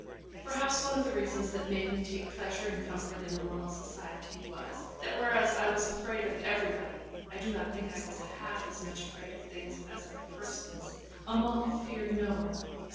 Perhaps one of the reasons that made me take pleasure and comfort in Amante's society was, that whereas I was afraid of everybody (I do not think I was half as much afraid of things as of persons), Amante feared no one.